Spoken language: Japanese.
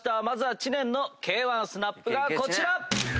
まずは知念のＫ−１スナップがこちら！